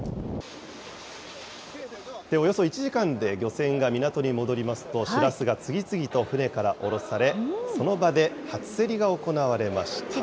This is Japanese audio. およそ１時間で漁船が港に戻りますと、シラスが次々と船から降ろされ、その場で初競りが行われました。